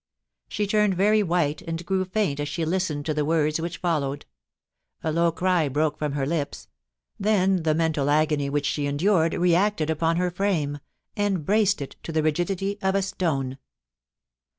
... She turned very white and grew faint as she listened to the words which followed A low cry broke from her lips • 'IF I HA VE BEEN BAD TO YOU, IT IS ENDED J 319 then the mental agony which she endured reacted upon her frame and braced it to the rigidity of a stone.